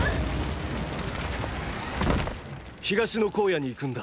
東の荒野に行くんだ。